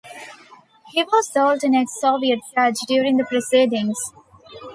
He was the alternate Soviet judge during the proceedings.